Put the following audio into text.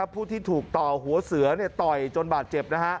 ผู้ที่ถูกต่อหัวเสือต่อยจนบาดเจ็บ